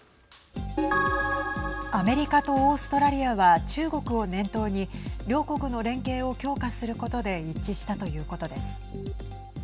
アメリカとオーストラリアは中国を念頭に両国の連携を強化することで一致したということです。